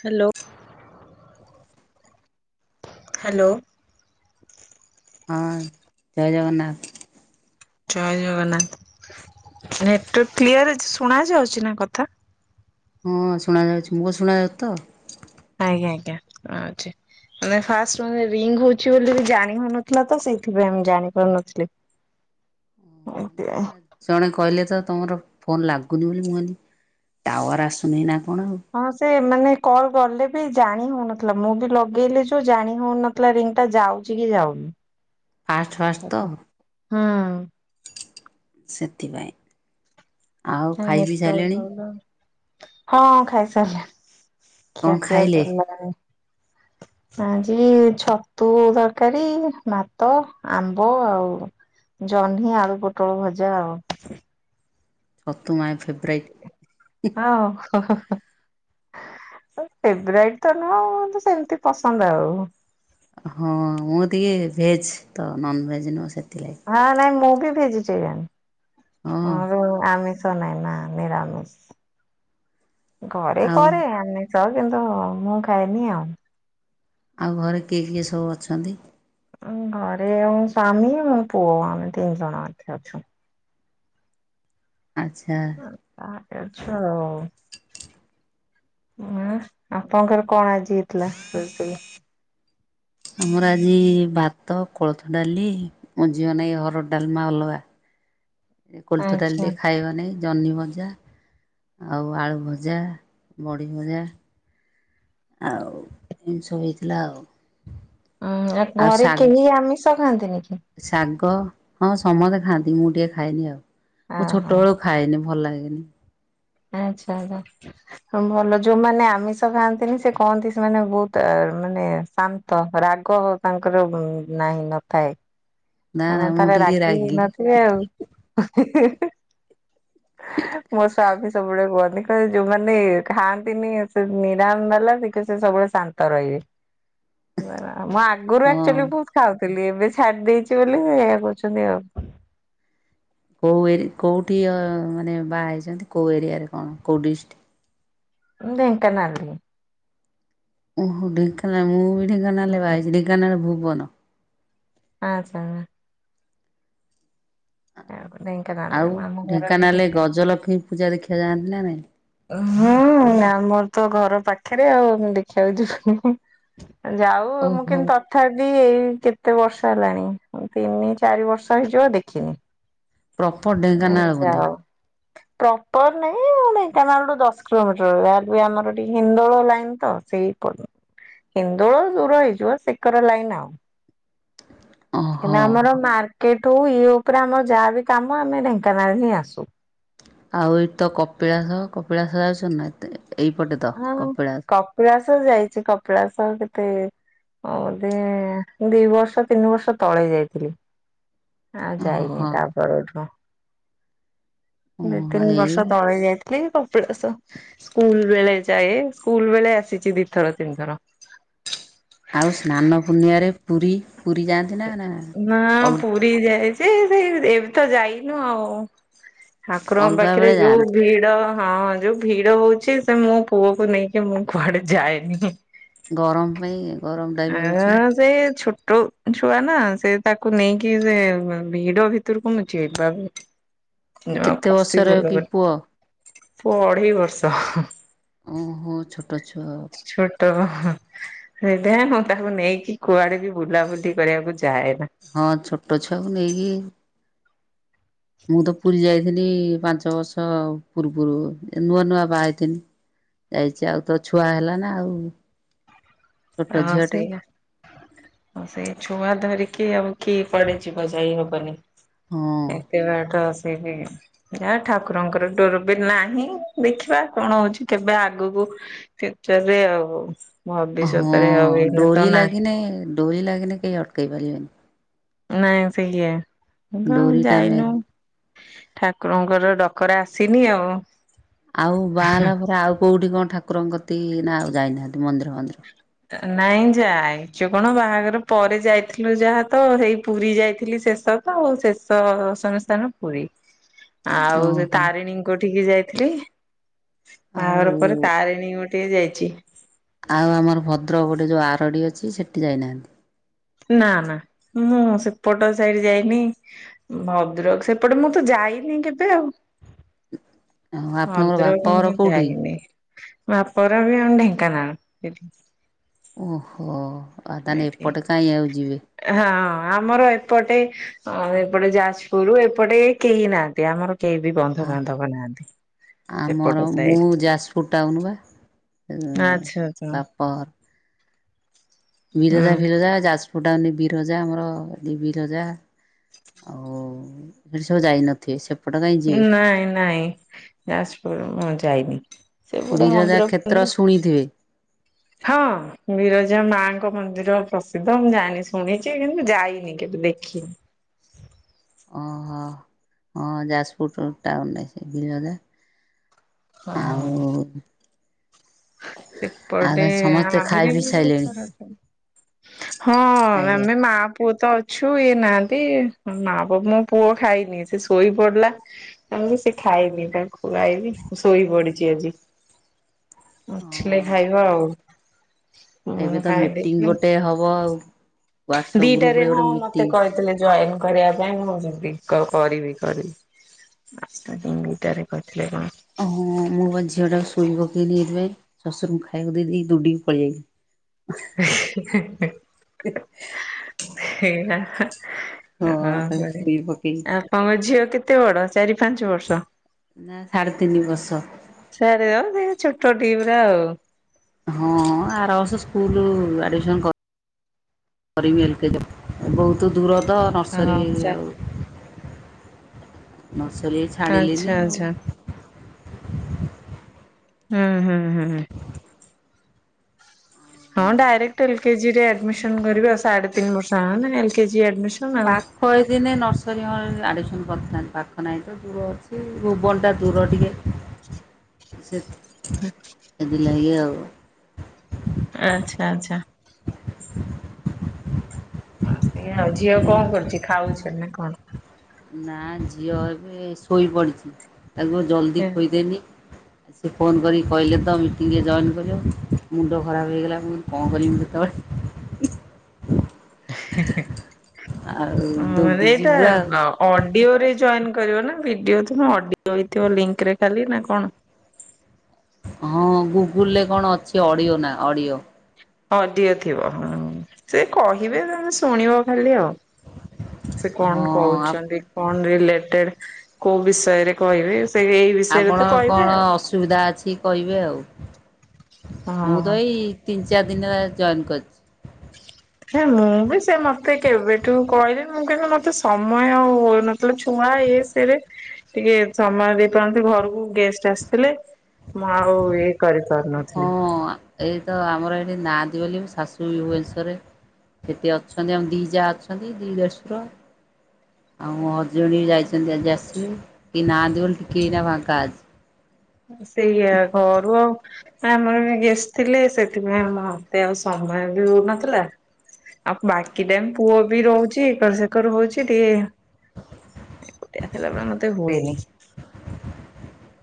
Hello. Hello. ହଁ ଜୟ ଜଗନ୍ନାଥ। ଜୟ ଜଗନ୍ନାଥ ନେଟୱାର୍କ କ୍ଲିୟର ଅଛି ଶୁଣାଯାଉଛି ନା କଥା? ହଁ ଶୁଣା ଯାଉଚି, ମୋ ଶୁଣାଯାଉଛି ତ? ଆଜ୍ଞା ଆଜ୍ଞା ଆ ଛି। ମାନେ ଫାଷ୍ଟେ ରିଙ୍ଗ ହଉଛି ବୋଲି ବି ଜାଣି ହଉନଥିଲା ତ ସେଇଥିପାଇଁ ମୁଁ ଜାଣିପାରୁନଥିଲି। [unintelligible] ଜଣେ କହିଲେ ତ ତମର ଫୋନ ଲାଗୁନି ବୋଲି କୁହନ୍ତିି ଟାୱାର ଆସୁନି ନା କଣ ଆଉ? ହଁ ସେ ମାନେ କଲ ଗଲେ ବି ଜାଣି ହଉନଥିଲା ମୁଁ ବି ଲଗେଇଲି ଯୋଉ ଜାଣି ହଉନ ଲା ରିଙ୍ଗ୍ ଟା ଯାଉଛି କି ଯାଉନି? ଫାଷ୍ଟ ଫାଷ୍ଟ ତ? ହଁ ସେଥିପାଇଁ ଆଉ ଖାଇ ବିି ନେଟୱାର୍କ ସାରିଲେଣି? ପ୍ରୋବ୍ଲେମ। ହଁ ଖାଇସାରିଲିଣି କଣ ଖିଆ ପିଆ ଖାଇଲେ? ସରିଲାଣି। ଆଜି ଛତୁ ତରକାରୀ ଭାତ ଆମ୍ବ ଆଉ ଜହ୍ନି ଆଳୁ ପୋଟଳ ଭଜା ଆଉ। ସତୁ ମାଇ ଫେବରାଇଟ୍। [unintelligible] ଫେବରାଇଟ ତ ନୁହଁ ସେମତି ପସନ୍ଦ ଆଉ। ହଁ ମୁଁ ଟିକେ ଭେଜ୍ ତ ନନଭେଜ୍ ନୁହଁ ସେଥିଲାଗି। ହଁ ନାଇଁ ମୁଁ ବି ଭେଜିଟେରିଆନ୍ ହ ହଁ ଉ ଆମେ ତ ନାଁ ନା ନିରାମିଷ ଘରେ ଆଉ କରେ ଆମିଷ ସ କିନ୍ତୁ ମୁଁ ଖାଏନି ଆଉ। ଆଉ ଘରେ କିଏ କିଏ ସବୁ ଅଛନ୍ତି? ଘରେ ମୋ ସ୍ୱାମୀ ମୋ ପୁଅ ଆମେ ତିନି ଜଣ ଅଛୁ। ଆଚ୍ଛା ଆ ଅଛ ଆଉ ହଁ ଆପଣଙ୍କର କଣ ଆଜି ଥିଲା ହେଇଥିଲା ରିସେଇ? ଆମର ଆଜି ଭାତ କୋଳଥ ଡାଲି ମୋ ଝିଅ ନାଗି ହରଡ଼ ଡାଲମା ଅଲଗା। କୋଳଥ ଆଚ୍ଛା ଡାଲି ଖାଇବନେଇ। ଜହ୍ନି ଭଜା ଆଉ ଆଳୁ ଭଜା ବଢି ଭଜା। ଆଉ ଏମିତି ସବୁ ହେଇଥିଲା ଆଉ। ଉଁ ଆଉ ଘରେ କେହି ଆମିଷ ଖାଆନ୍ତି ନି କି? ଶାଗ ହଁ ସମସ୍ତେ ଖାଆନ୍ତି ମୁଁ ଟିକେ ଖାଇନି ଆଉ ମୁଁ ଓହୋ ଛୋଟବେଳୁ ଖାଏନି ଭଲ ଲାଗେନି। ଆଚ୍ଛା ହଁ ଭଲ ଯୋଉମାନେ ଆମିଷ ଖାଆନ୍ତିନି ସେ କହନ୍ତି ସେମାନେ ବହୁତ ମାନେ ଶାନ୍ତ ନ୍ତ ରାଗ ତାଙ୍କର ନାହିଁ ନଥାଏ ନା ନା ସେମାନେ ମୁଁ ଥରେ ଟିକେ ରାଗି ନ ଥିଲେ ଆଉ [inaudible] ମୋ ସ୍ୱାମୀ ସବୁବେଳେ କୁହନ୍ତି କହିବେ ଯୋଉମାନେ ଖାଆନ୍ତିନି ସେ ନିରାମ ବାଲା ଟିକେ ସେ ସବୁବେଳେ ଶାନ୍ତ ରହିବେ। [unintelligible] ମୁଁ ଆଗରୁ ହଁ। ଆକ୍ଚଲ୍ଲୀ ବହୁତ ଖାଉଥିଲି ଏବେ ଛାଡି ଦେଇଛି ବୋଲି ଏଇଆ କହୁଛନ୍ତି ଆଉ। କୋଉ ଏରି କୋଉଠି ମାନେ ବାହା ହେଇଛନ୍ତି କୋଉ ଏରିଆରେ କଣ କୋଉ ଡିଷ୍ଟ୍ରିକ୍? ଢେଙ୍କାନାଳ। ଓହୋ ଢେଙ୍କାନାଳ ମୁଁ ବି ଢେଙ୍କାନାଳେ ରେ ହୁଁ ବାହା ହେଇଛି ଢେଙ୍କାନାଳ ଭୁବନ। ଆଚ୍ଛା ଢେଙ୍କାନାଳରେ ଆଉ ଆମ ଘର ବି ଢେଙ୍କାନାଳରେ ଢେଙ୍କାନାଳ। ଗଜଲକ୍ଷ୍ମୀ ପୂଜା ଦେଖିବା ଯାଆନ୍ତି ନା ନାଇଁ? ହୁଁ ଆମର ତ ଘର ପାଖରେ ଆଉ ଦେଖିବାକୁ ଯିବୁନି? ଆ ଯାଉ ମୁଁ ଓହୋ କିନ୍ତୁ ତ ତଥାବି ଏଇ କେତେ ବର୍ଷ ହେଲାଣି ତିନି ଚାରି ବର୍ଷ ହେଇଯିବ ଦେଖିନି। ପ୍ରପର ନାଇଁ ଢେଙ୍କାନାଳ ବୋଧେ? ଯାଅ। ପ୍ରପର ନାଇଁ ମାନେ ଢେଙ୍କାନାଳ ଠୁ ଦଶ କିଲୋମିଟର। ଯାହେଲେ ବି ଆମର ଟିକେ ହିନ୍ଦୋଳ ଲାଇନ୍ ତ। ସେଇ ପଟୁ ହିନ୍ଦୋଳ ଦୂର ହେଇଯିବ ସେକର ଲାଇନ୍ ଆଉ। ଓହୋ କିନ୍ତୁ ଆମର ମାର୍କେଟ ଠୁ ଇଏ ଉପରେ ଆମର ଯାହାବି କାମ ଆମେ ଢେଙ୍କାନାଳ ହିଁ ଆସୁ। ଆଉ ଏଇଠି ତ କପିଳାସ କପିଳାସ ଯାଉଚ ନା ଏତେ, ଏଇପଟେ ତ ହଁ କପିଳା କପିଳାସ ଯାଇଚି କପିଳାସ କେତେ ବୋଧେ ଦି ବର୍ଷ ତିନି ବର୍ଷ ତଳେ ଯାଇଥିଲି। ଆଉ ଯାଇନି ଓହୋ ତାପର ଠୁ। ଦି ଓହୋ ତିନି ଏଇ ବର୍ଷ ତଳେ ଯାଇ କପିଳାସ, ସ୍କୁଲ ବେଳେ ଯାଏ ସ୍କୁଲ ବେଳେ ଆସିଚି ଦିଥର ତିନିଥର। ଆଉ ସ୍ନାନ ପୂର୍ଣ୍ଣିମାରେ ପୁରୀ, ପୁରୀ ଯାଆନ୍ତି ନା ନା ଅଲ ପୁରୀ ଯାଏ ଯେ ଏ ଏବେ ତ ଯାଇନୁ ଆଉ। ଠାକୁରଙ୍କ ଅଲଗା ପାଖରେ ବେଳେ ଯୋଉ ଯାଆନ୍ତି ଭିଡ ହଁ ଯୋଉ ଭିଡ ହଉଚି ସେ ମୋ ପୁଅକୁ ନେଇକି ମୁଁ କୁଆଡେ ଯାଏନି। ଗରମ ପାଇଁ ଗରମଟା ବି ହେଉଛି। [unintelligible] ସେ ଛୋଟ ଛୁଆ ନା, ସେ ତାକୁ ନେଇକି ସେ ଭିଡ ଭିତରକୁ ମୁଁ ଯିବାକୁ କେତେ ବର୍ଷର [unintelligible] ତାକୁ କି ପୁଅ ଅଢେଇ ବର୍ଷ। ଓହୋ ଛୋଟ ଛୁଆ ଆଉ। ଛୋଟ [unintelligible] ମୁଁ ତାକୁ ନେଇକି କୁଆଡେ ବି ବୁଲାବୁଲି କରିବାକୁ ଯାଏନା। ହଁ ଛୋଟ ଛୁଆକୁ ନେଇକି ମୁଁ ତ ପୁରୀ ଯାଇଥିଲି ପାଞ୍ଚ ବର୍ଷ ପୂର୍ବରୁ। ନୂଆ ନୂଆ ବାହା ହେଇଥିଲି। ଯାଇଚି ଆଉ ତ ଛୁଆ ହେଲା ନା ଆଉ ଛୋଟ ହଁ ଝିଅଟେ ସେଇଆ। ହଁ ସେୟା, ଛୁଆ ଧରିକି ଆଉ କିଏ କୁଆଡେ ଯିବ, ଯାଇ ହବନି। ହଁ ଏତେ ବାଟ ସେ ବି ଯା ଠାକୁରଙ୍କର ଡୋର ବି ନାହିଁ। ଦେଖିବା କଣ ହଉଚି କେବେ ଆଗୁକୁ ଫ୍ୟୁଚରରେ ଆଉ ଭବିଷ୍ୟ ହଁ ଡୋରି ଲାଗିନେଇ, ଡୋରି ଲାଗିଲେ କେହି ଅଟକେଇ ପାରିବେନି। ନାଇଁ ସେଇଆ। ମୁଁ ତ ଆଉ ଡୋରିଟା ମେନ୍। ଯାଇନୁ। ଠାକୁରଙ୍କର ଡକରା ଆସିନି ଆଉ। ଆଉ ବାହା ହେଲା ପରେ ଆଉ କୋଉଠି କଣ ଠାକୁରଙ୍କ କତିକି ନା ଆଉ ଯାଇନାହାନ୍ତି ମନ୍ଦିର ଫନ୍ଦିର? ନାଇଁ ଯାଇଚୁ କଣ ବାହାଘର ପରେ ଯାଇଥିଲୁ ଯାହା ତ ହେଇ ପୁରୀ ଯାଇଥିଲି ଶେଷ ତ ଆଉ ଶେଷ [unintelligible] ସ୍ଥାନ ପୁରୀ। ଆଉ ସେ ଓହୋ। ତାରିଣୀଙ୍କ ଠିକି ଯାଇଥିଲି, ଆଉ ବାହାଘର ପରେ। ତାରିଣୀ ଗୋଟିଏ ଯାଇଚି। ଆଉ ଆମର ଭଦ୍ରକ ପଟେ ଯୋଉ ଆରଡ଼ି ଅଛି ସେଠି ଯାଇନାହାନ୍ତି? ନା ନା ମୁଁ ସେପଟ ସାଇଡ୍ ଯାଇନି। ଭଦ୍ରକ ସେପଟେ ମୁଁ ତ ଯାଇନି କେବେ ଆଉ। ଆଉ ଆପଣଙ୍କର ଭଦ୍ରକ ବାପଘର ମୁଁ କୋଉଠି? ଯାଇନି। ବାପ ଘର ବି ଆମ ଢେଙ୍କାନାଳ। ଓହୋ। ଆଉ ତାହେଲେ ଏଠି। ଏପଟେ କାହିଁ ଆଉ ଯିବେ। ହଁ ଆମର ଏପଟେ ଅଁ ଏପଟେ ଯାଜପୁର ଏପଟେ କେହି ନାହାନ୍ତି ଆମର। କେହି ବି ଆ ବନ୍ଧୁବାନ୍ଧବ ନାହାନ୍ତି, ଆମର ସେପଟ ମୁଁ ସାଇଡ୍। ଯାଜପୁର ଟାଉନ ବା। ଆଚ୍ଛା ଆଚ୍ଛା। ପର୍ ବିରଜା ହୁଁ ଫିରଜା ଯାଜପୁର ଟାଉନ୍ ବିରଜା ଆମର ଏଠି ବିରଜା ଆଉ ସେଠି ସବୁ ଯାଇନଥିବେ ସେ ନାଇଁ ନାଇଁ ଯାଜପୁର ମୁଁ ଯାଇନି। ସେଗୁଡା ବିରଜା ମନ୍ଦିର କ୍ଷେତ୍ର [unintelligible] ଶୁଣିଥିବେ ହଁ। ବିରଜା ମାଙ୍କ ମନ୍ଦିର ପ୍ରସିଦ୍ଧ ମୁଁ ଯାଇନି ଶୁଣିଛି କିନ୍ତୁ ଯାଇନି କେବେ ଦେଖିନି। ଓହୋ ହଁ ଯାଜପୁର ତ ଟାଉନ ସେ ବିରଜା। ହଁ ଆଉ ସେପଟେ ଆଉ ଆମା ସମସ୍ତେ ଖାଇ ଆହୁରି ପିଇ ବି ବହୁତ ସାଇଲେଣି ସାରା ଅଛନ୍ତି। ହଁ ଆଜ୍ଞା ଆମେ ମା ପୁଅ ତ ଅଛୁ ଇଏ ନାହାନ୍ତି ହ ମା ପୁଅ ମୋ ପୁଅ ଖାଇନି ସେ ଶୋଇ ପଡିଲା। ଆ ମୁଁ ସେ ଖାଇନି ତାଙ୍କୁ ଖୁଆଇବି ଶୋଇ ପଡିଛି ଆଜି। ଉଠିଲେ ହଁ ଖାଇବ ଆଉ। ଏବେ ମୁଁ ତ ମିଟିଂ ଗୋଟେ ହବ ଆଉ ଖାଇଦେଇଚି ହ୍ୱାଟ୍ସଆପ୍ ଗ୍ରୁପରେ ଦିଟାରେ ହଁ ଗୋଟେ ମତେ ମିଟିଂ କହିଥିଲେ। ଜଏନ କରିବା ପାଇଁ ମୁଁ ଯିବି କ କରିବି କରିବି। [unintelligible] ଦୁଇଟାରେ କରିଥିଲେ କଣ। ଓହୋ ମୁଁ ବା ଝିଅଟାକୁ ଶୋଇ ପକେଇଲି ଏବେ। ଶ୍ୱଶୁରଙ୍କୁ ଖାଇବାକୁ ଦେଇ ଦେଇକି ଦୌଡ଼ିକି ପଳେଇ ଆଇଚି। [unintelligible] ସେଇଆ। ହଁ ତାକୁ କରେ ଶୋଇ ପକେଇଲି ଆପଣଙ୍କ ଝିଅ କେତେ ବଡ ଚାରି ପାଞ୍ଚ ବର୍ଷ? ନା ସାଢ଼େ ତିନି ବର୍ଷ। ସାଢେ ଅ ସେ ଛୋଟ ଟି ପରା ଆଉ। ହଁ ଆର ବର୍ଷ ସ୍କୁଲ ଆଡ଼ମିଶନ କରି କରିବି ଏଲ୍ କେ ବହୁତ ଦୂର ତ ନର୍ସରୀ ହଁ ସା ଆଉ ନର୍ସରୀ ଆଚ୍ଛା ଛାଡିଲିନି ଆଉ। ଆଚ୍ଛା ହଁ ହୁଁ ହଁ। ହଁ ଡାଇରେକ୍ଟ ଏଲ କେଜି ରେ ଆଡମିସନ କରିବି ଆଉ ସାଢେ ତିନିବର୍ଷ ହଁ ନା ଏଲ କେ ଜି ଆଡମିଶ ପାଖ ହେଇଥିନେ ନର୍ସରୀ ହ ଆଡମିସନ କରିଥାନ୍ତି ପାଖ ନାଇଁ ତ। ଦୂର ଅଛି ଭୁବନଟା ଦୂର ଟିକେ ସେଥୀ [inaudible] ସେଥି ଲାଗି ଆଉ। ଆଚ୍ଛା ଆଚ୍ଛା। ଅ ସେଇଆ ଆଉ ଝିଅ କଣ କରୁଛି ଖାଉଚି ନା କଣ। ନା ଝିଅ ଏବେ ଶୋଇପଡ଼ିଛି ତାକୁ ଜଲ୍ଦି ଖୋଇଦେନି। ସେ ଫୋନ୍ କରି କହିଲେ ତ ମିଟିଂରେ ଜଏନ୍ କରିବା ପାଇଁ ମୁଣ୍ଡ ଖରାପ ହେଇଗଲା ମୁଁ କଣ କରିବି ମୁଁ କେତେବେଳେ ଆଉ ମୋର ଦୌଡ଼ିଛି ଏଇଟା ପୁରା ଆଉ। ନ। ଅଡିଓ ରେ ଜଏନ୍ କରିବ ନା ଭିଡିଓ ତ ହଁ ଅଡିଓ ହେଇଥିବ ଲିଙ୍କରେ ଖାଲି ନା କଣ? ହଁ ଗୁଗୁଲରେ କଣ ଅଛି ଅଡିଓ ନା ଅଡିଓ ଅଡିଓ ଥିବ ହଁ ସେ କହିବେ ତମେ ଶୁଣିବ ଖାଲି ଆଉ। ସେ ହଁ କଣ ଆ କହୁଛନ୍ତି କଣ ରିଲେଟେଡ କୋଉ ବିଷୟରେ କହିବେ ସେ ଏଇ ବିଷୟରେ ତ କହିବେ ଆଉ। ସୁବିଧା ଅଛି କହିବେ ଆଉ ମୁଁ ହଁ। ତ ଏଇ ତିନି ଚାରି ଦିନ ଅ ଜଏନ୍ କରିଛି। ହେଁ ମୁଁ ବି ସେ ମତେ କେବେଠୁ କହିଲେ ମୁଁ କହି ମତେ ସମୟ ଆଉ ନଥିଲା ଛୁଆ ଇ ସ ତିରେ ଟିକେ ସମୟ ଦେଇପାରନ୍ତି ଘରକୁ ଗେଷ୍ଟ ଆସିଥିଲେ। ମୁଁ ଆଉ ଏ କରିପାରୁ ନଥିଲି। ହଁ ଏଇ ତ ଆମର ଏଇଠି ନାହାତି ବୋଲି ମୋ ଶାଶୁ ବି ଭୁବନେଶ୍ୱରରେ। ସେଟି ଅଛନ୍ତି ଆମ ଦି ଯା ଅଛନ୍ତି ଦି ଦେଡଶୁର। ଆଉ ମୋ ହଜବେନଟ ବି ଯାଇଛନ୍ତି ଆଜି ଆସିବେ। କେଇ ନାହାନ୍ତି ବୋଲି ଟିକିଏ ଏଇନା ଫାଙ୍କା ଅଛି। ସେଇଆ ଘରୁ ଆଉ ଆମର ଏଣେ ଗେଷ୍ଟ ଥିଲେ ସେଥିପାଇଁ ଆମ ମତେ ଆଉ ସମୟ ବି ହଉନଥିଲା। ଆଉ ବାକିଟାଇମ ପୁଅ ବି ରହୁଛି ଏକର ସେକର ହଉଛି ଟିକେ। ଏକୁଟିଆ ଥିଲାବେଳେ ମତେ ହୁଏନି।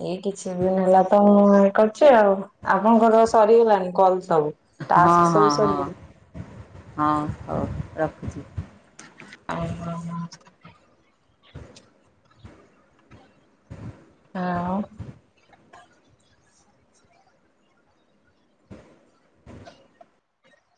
ଏଇ କିଛି ଦିନ ହେଲା ତ କରଛି ଆଉ ଆପଣଙ୍କର ସରିଗଲାଣି କଲ ସବୁ। ହଁ ଟାସ୍କ ହଁ ସବୁ ସରିଗଲା ହଁ ହଁ ହଉ ରଖୁଛି। [unintelligible] ଆଉ